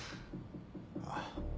あっ。